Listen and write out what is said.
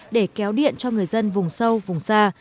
để kéo điện cho người dân vùng sâu vùng xa